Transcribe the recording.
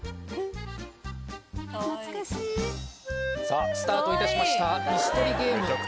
さっスタートいたしましたイス取りゲーム